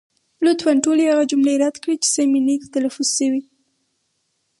لطفا ټولې هغه جملې رد کړئ، چې سمې نه دي تلفظ شوې.